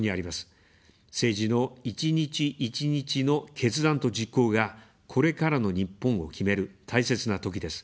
政治の一日一日の決断と実行が、これからの日本を決める、大切なときです。